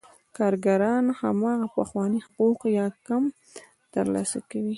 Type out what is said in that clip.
کارګران هماغه پخواني حقوق یا کم ترلاسه کوي